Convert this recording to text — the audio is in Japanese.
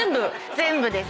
全部です。